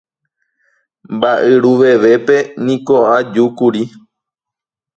mba'yruvevépe niko ajúkuri